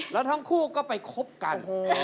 แล้วทั้งคู่ก็ไปคบกัน